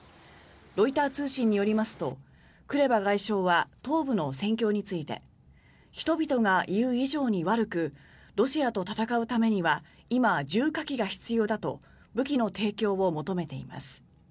ロイター通信によりますとクレバ外相は東部の戦況について人々が言う以上に悪くロシアと戦うためには今、重火器が必要だと武器の提供を求めています。